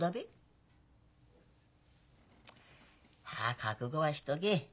あ覚悟はしとけ。